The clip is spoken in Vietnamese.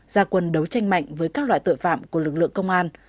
gia quân đấu tranh mạnh với các loại tội phạm của lực lượng công an